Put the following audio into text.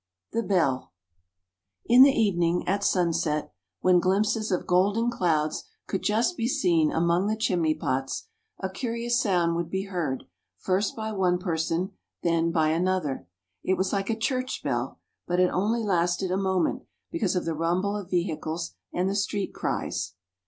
THE BELL IN the evening, at sunset, when glimpses of golden clouds could just be seen among the chimney pots, a curious sound would be heard, first by one person, then by another; it was like a church bell, but it only lasted a moment because of the rumble of vehicles and the street cries.